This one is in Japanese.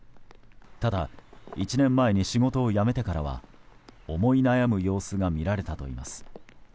ただ１年前に仕事を辞めてからは思い悩む様子が見られたといいます。